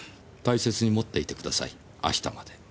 大切に持っていてください明日まで。